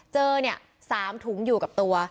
เจอเนี่ย๓ถุงอยู่กับตัว